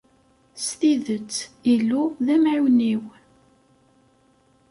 S tidet, Illu, d amɛiwen-iw.